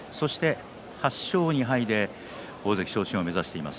８勝２敗で大関昇進を目指しています